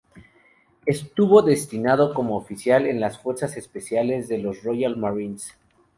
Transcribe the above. Estuvo destinado como oficial en las Fuerzas Especiales de los Royal Marines.